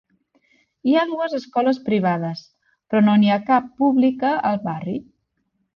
Hi ha dues escoles privades, però no n'hi ha cap pública al barri.